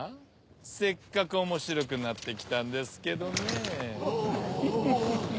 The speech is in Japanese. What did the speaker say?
・せっかく面白くなってきたんですけどねぇフフフ。